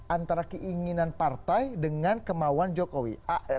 antara keinginan partai dengan kemauan jokowi